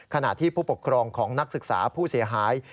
ขณะที่ผู้ปกครองของนักศึกษาผู้เสียหาย